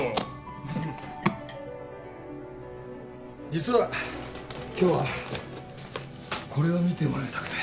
実は今日はこれを見てもらいたくて。